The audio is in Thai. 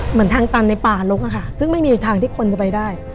เหมือนทางตันในป่าลกอะค่ะซึ่งไม่มีทางที่คนจะไปได้